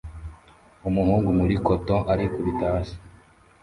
Umuhungu muri cotoon arikubita hasi